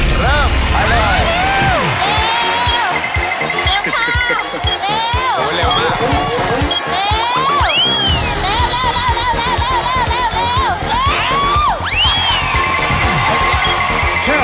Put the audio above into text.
พร้อมระวังมาเลย